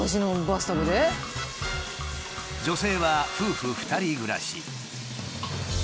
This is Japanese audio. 女性は夫婦２人暮らし。